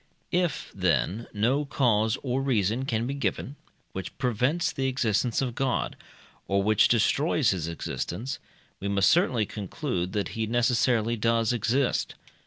If, then, no cause or reason can be given, which prevents the existence of God, or which destroys his existence, we must certainly conclude that he necessarily does exist.